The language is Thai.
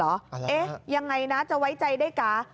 เอ๊ะยังไงนะจะไว้ใจได้กะ